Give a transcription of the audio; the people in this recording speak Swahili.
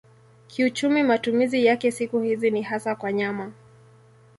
Kiuchumi matumizi yake siku hizi ni hasa kwa nyama.